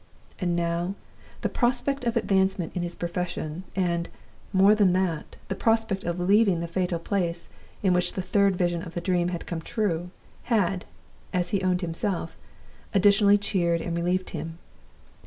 And now the prospect of advancement in his profession, and, more than that, the prospect of leaving the fatal place in which the Third Vision of the Dream had come true, had (as he owned himself) additionally cheered and relieved him.